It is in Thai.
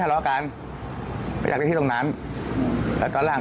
ทะเลาะกันเจอกันวันนั้น